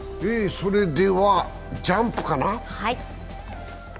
それではジャンプかな。